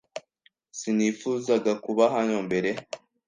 Sinifuzaga kuba hano mbere.